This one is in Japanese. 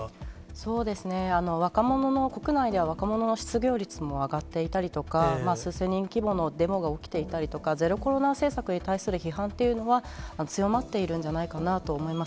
そうですね、国内では若者の失業率も上がっていたりとか、数千人規模のデモが起きていたりとか、ゼロコロナ政策へ対する批判というのは、強まっているんじゃないかなと思います。